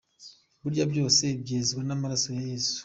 Burya byose byezwa n’amaraso ya Yesu.